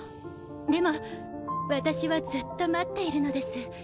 でも私はずっと待っているのです。